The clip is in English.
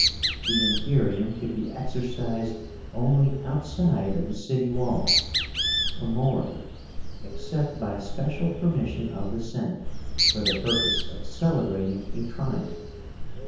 The Imperium could be exercised only outside of the city walls (pomoerium), except by special permission of the Senate for the purpose of celebrating a triumph.